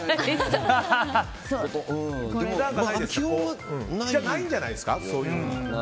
じゃあないんじゃないですか。